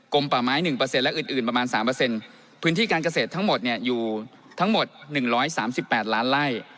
กลมป่าไม้หนึ่งเปอร์เซ็นต์และอื่นอื่นประมาณสามเปอร์เซ็นต์พื้นที่การเกษตรทั้งหมดเนี่ยอยู่ทั้งหมดหนึ่งร้อยสามสิบแปดล้านไล่